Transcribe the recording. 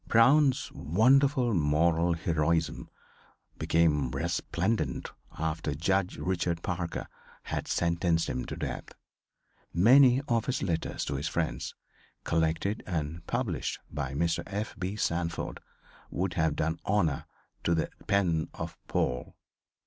Brown's wonderful moral heroism became resplendent after Judge Richard Parker had sentenced him to death. Many of his letters to his friends, collected and published by Mr. F. B. Sanford, would have done honor to the pen of Paul.